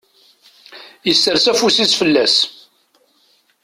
Isers afus-is fell-as.